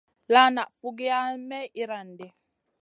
La na pugiya may irandi.